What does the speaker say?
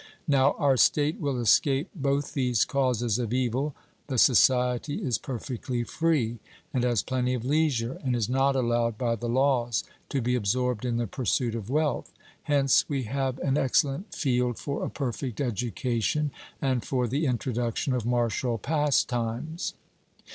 Now our state will escape both these causes of evil; the society is perfectly free, and has plenty of leisure, and is not allowed by the laws to be absorbed in the pursuit of wealth; hence we have an excellent field for a perfect education, and for the introduction of martial pastimes.